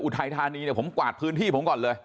ไทยธานีเนี่ยผมกวาดพื้นที่ผมก่อนเลย